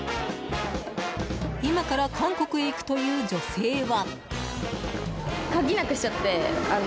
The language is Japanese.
今から韓国へ行くという女性は。